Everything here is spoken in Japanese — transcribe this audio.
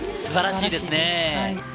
素晴らしいですね。